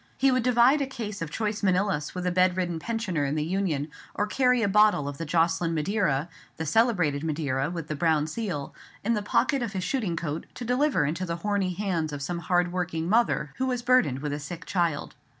He would divide a case of choice Manillas with a bedridden pensioner in the Union, or carry a bottle of the Jocelyn Madeira—the celebrated Madeira with the brown seal—in the pocket of his shooting coat, to deliver it into the horny hands of some hard working mother who was burdened with a sick child.